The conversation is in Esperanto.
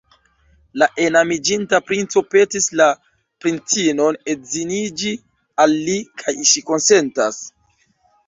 La enamiĝinta princo petis la princinon edziniĝi al li, kaj ŝi konsentas.